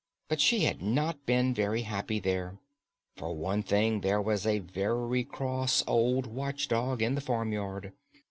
But she had not been very happy there. For one thing, there was a very cross old watch dog in the farmyard.